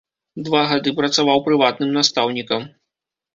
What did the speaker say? Два гады працаваў прыватным настаўнікам.